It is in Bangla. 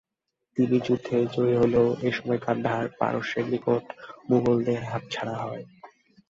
তিনি যুদ্ধে জয়ী হলেও, এসময় কান্দাহার পারস্যের নিকট মুঘলদের হাতছাড়া হয়।